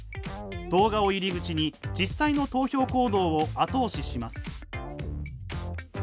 動画を入り口に実際の投票行動を後押しします。